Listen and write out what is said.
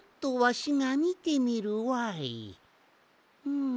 うん。